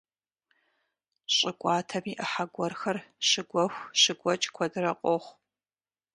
Щӏы кӏуатэм и ӏыхьэ гуэрхэр щыгуэху, щыгуэкӏ куэдрэ къохъу.